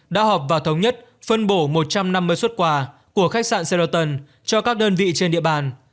đã họp và thống nhất phân bổ một trăm năm mươi xuất quà của khách sạn serieston cho các đơn vị trên địa bàn